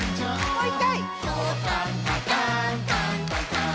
もういっかい！